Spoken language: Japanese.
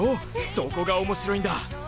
そこが面白いんだ！